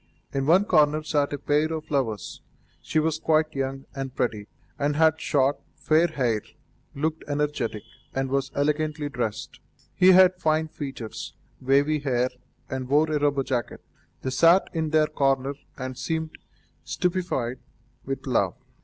In one corner sat a pair of lovers. She was quite young and pretty, and had short, fair hair, looked energetic, and was elegantly dressed; he had fine features, wavy hair, and wore a rubber jacket. They sat in their corner and seemed stupefied with love.